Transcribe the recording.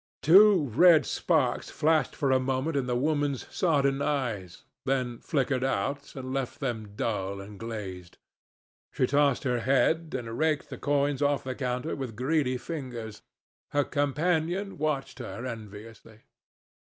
Two red sparks flashed for a moment in the woman's sodden eyes, then flickered out and left them dull and glazed. She tossed her head and raked the coins off the counter with greedy fingers. Her companion watched her enviously.